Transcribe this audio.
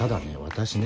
私ね